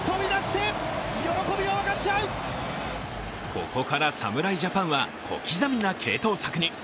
ここから侍ジャパンは小刻みな継投策に。